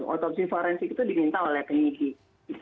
otopsi forensik itu diminta oleh penyidik